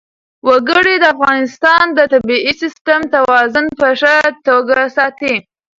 وګړي د افغانستان د طبعي سیسټم توازن په ښه توګه ساتي.